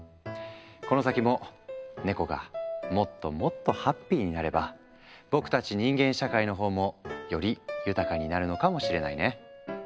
この先もネコがもっともっとハッピーになれば僕たち人間社会のほうもより豊かになるのかもしれないね。